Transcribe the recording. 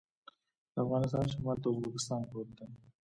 د افغانستان شمال ته ازبکستان پروت دی